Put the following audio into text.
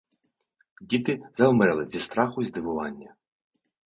Діти завмерли зі страху й здивування.